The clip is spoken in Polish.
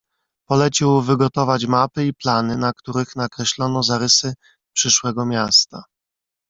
"Polecił wygotować mapy i plany, na których nakreślono zarysy przyszłego miasta."